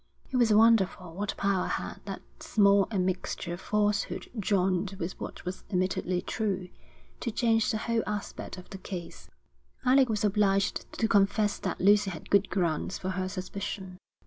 It was wonderful what power had that small admixture of falsehood joined with what was admittedly true, to change the whole aspect of the case. Alec was obliged to confess that Lucy had good grounds for her suspicion.